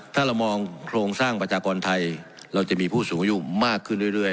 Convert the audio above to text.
ถ้าเรามองโครงสร้างประชากรไทยเราจะมีผู้สูงอายุมากขึ้นเรื่อย